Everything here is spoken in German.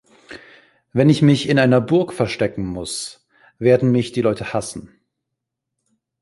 Wenn ich mich in einer Burg verstecken muss, werden mich die Leute hassen".